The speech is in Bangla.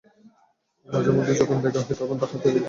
মাঝেমধ্যে যখনই দেখা হয়, তখনই হাতে হাত রেখে কান্নায় ভেঙে পড়েন তাঁরা।